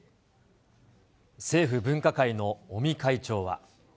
政府分科会の尾身会長は。